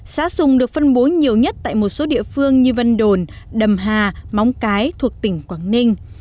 xã sùng được phân bố nhiều nhất tại một số địa phương như vân đồn đầm hà móng cái thuộc tỉnh quảng ninh